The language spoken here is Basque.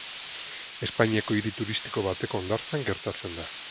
Espainiako hiri turistiko bateko hondartzan gertatzen da.